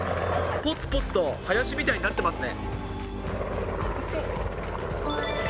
ぽつぽつと林みたいになってますね。